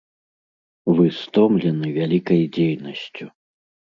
Вы стомлены вялікай дзейнасцю.